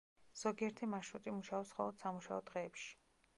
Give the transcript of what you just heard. ზოგიერთი მარშრუტი მუშაობს მხოლოდ სამუშაო დღეებში.